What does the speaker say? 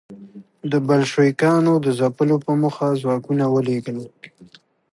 د بلشویکانو د ځپلو په موخه ځواکونه ولېږل.